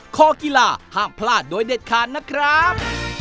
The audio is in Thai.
คอกีฬาห้ามพลาดโดยเด็ดขาดนะครับ